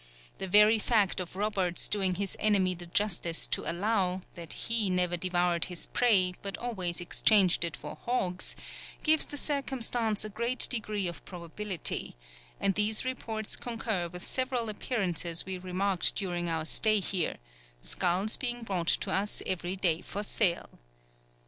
The very fact of Roberts doing his enemy the justice to allow, that he never devoured his prey, but always exchanged it for hogs, gives the circumstance a great degree of probability, and these reports concur with several appearances we remarked during our stay here, skulls being brought to us every day for sale.